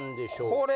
これ。